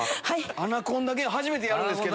アナコンダゲーム初めてやるんですけど。